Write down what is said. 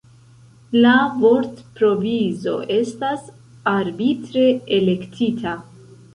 La vortprovizo estas arbitre elektita.